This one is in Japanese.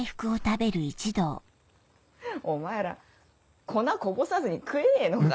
お前ら粉こぼさずに食えねえのか。